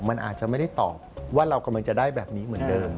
มันอาจจะไม่ได้ตอบว่าเรากำลังจะได้แบบนี้เหมือนเดิม